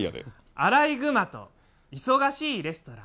「アライグマといそがしいレストラン」。